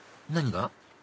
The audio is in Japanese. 何が？